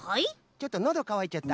ちょっとのどかわいちゃった。